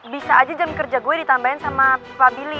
bisa aja jam kerja gue ditambahin sama pak billy